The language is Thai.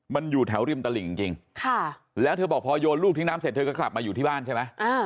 มันอยู่แถวริมตลิ่งจริงแล้วเธอบอกพอโยนลูกทิ้งน้ำเสร็จเธอก็กลับมาอยู่ที่บ้านใช่ไหม